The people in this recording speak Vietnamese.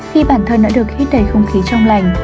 khi bản thân đã được hít đẩy không khí trong lành